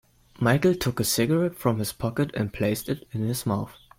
Michael took a cigarette from his pocket and placed it in his mouth.